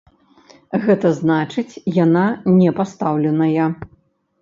Гэта значыць, яна не пастаўленая.